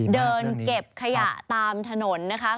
เดินเก็บขยะตามถนนนะคะ